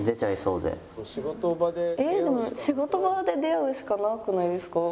でも仕事場で出会うしかなくないですか？